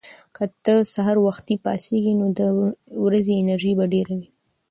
که ته سهار وختي پاڅې، نو د ورځې انرژي به ډېره وي.